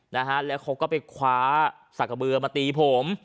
นะฮะแล้วเขาก็ไปคว้าสักกระเบือมาตีผม